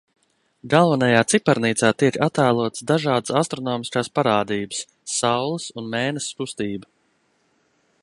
Galvenajā ciparnīcā tiek attēlotas dažādas astronomiskās parādības, Saules un Mēness kustība.